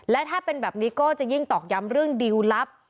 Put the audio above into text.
และถ้าเป็นแบบนี้ก็จะยิ่งตอกย้ำเรื่องดิวลลับ